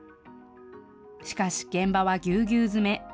しかし、現場はぎゅうぎゅう詰め。